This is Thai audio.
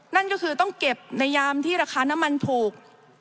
นั่นก็คือต้องเก็บในยามที่ราคาน้ำมันถูก